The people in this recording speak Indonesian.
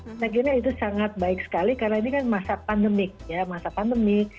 saya kira itu sangat baik sekali karena ini kan masa pandemik